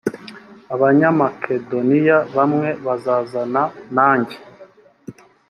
abanyamakedoniya bamwe bazazana nanjye